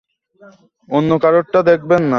অন্য কারোটা দেখবেন না।